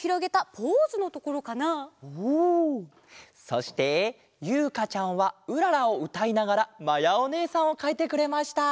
そしてゆうかちゃんは「うらら」をうたいながらまやおねえさんをかいてくれました。